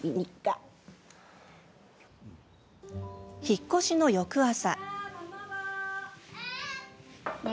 引っ越しの翌朝。